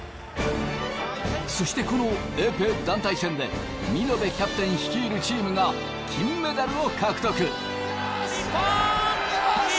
そしてこのエペ団体戦で見延キャプテン率いるチームが金メダルを獲得。